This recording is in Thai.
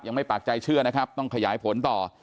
ไม่ปากใจเชื่อนะครับต้องขยายผลต่อ